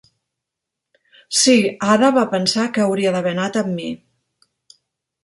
Sí, Ada va pensar que hauria d'haver anat amb mi.